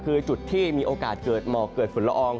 คือจุดที่มีโอกาสเกิดหมอกเกิดฝุ่นละออง